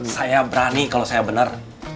saya berani kalau saya benar